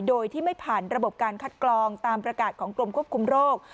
โดยที่ไม่ผ่านระบบการคัดกรองตามประกาศของกรมควบคุมโรค